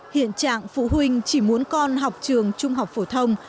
hiện trạng phụ huynh chỉ muốn con học trường trung học phổ thông